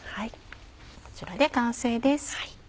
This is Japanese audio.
こちらで完成です。